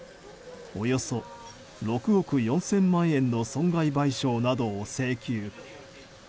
およそ６億４０００万円の損害賠償などを請求。